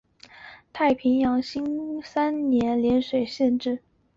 太平兴国三年升涟水县置。